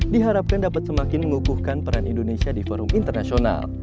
diharapkan dapat semakin mengukuhkan peran indonesia di forum internasional